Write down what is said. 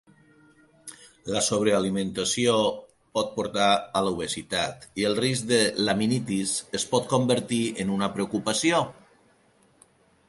La sobrealimentació pot portar a l'obesitat, i el risc de laminitis es pot convertir en una preocupació.